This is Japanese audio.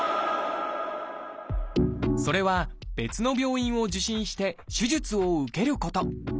それは別の病院を受診して手術を受けること。